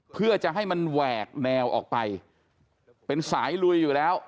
เพื่อจะให้มันแหวกแนวออกไปเป็นสายลุยอยู่แล้ว